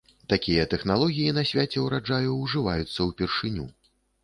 Такія тэхналогіі на свяце ўраджаю ўжываюцца ўпершыню.